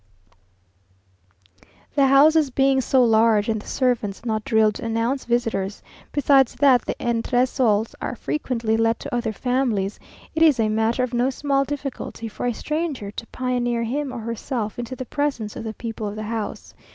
The houses being so large, and the servants not drilled to announce visitors; besides that the entresols are frequently let to other families, it is a matter of no small difficulty for a stranger to pioneer him or herself into the presence of the people of the house.